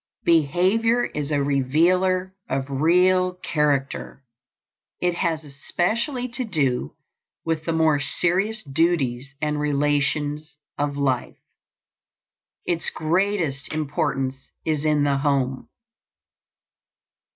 Behavior is a revealer of real character. It has especially to do with the more serious duties and relations of life. Its greatest importance is in the home.